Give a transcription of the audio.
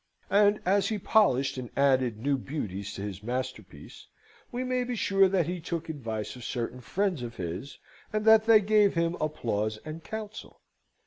And as he polished and added new beauties to his masterpiece, we may be sure that he took advice of certain friends of his, and that they gave him applause and counsel.